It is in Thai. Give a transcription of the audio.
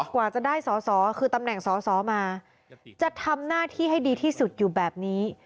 กว่าจะได้สอสอคือตำแหน่งสอสอมาจะทำหน้าที่ให้ดีที่สุดอยู่แบบนี้